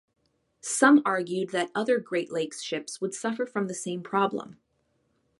Some argued that other Great Lakes ships would suffer from the same problem.